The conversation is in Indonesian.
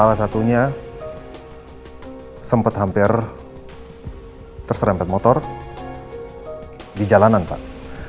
salah satunya sempat hampir terserempet motor di jalanan pak